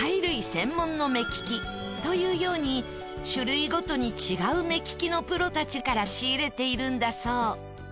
専門の目利きというように種類ごとに違う目利きのプロたちから仕入れているんだそう。